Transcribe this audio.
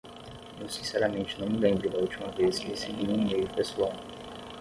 Eu sinceramente não me lembro da última vez que recebi um e-mail pessoal.